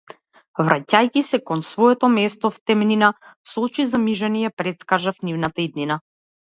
Враќајќи се кон своето место в темнина, со очи замижани ја претскажав нивната иднина.